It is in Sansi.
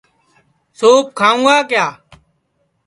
سُوپ کھاؤں گا